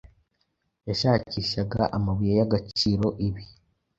Yashakishaga amabuye yagaciro ibi